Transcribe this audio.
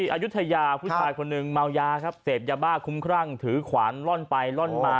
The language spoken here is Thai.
อายุทยาผู้ชายคนนึงเซพยาบ้าคุ้มครั่งถือขวานล่อนไปล่อนมา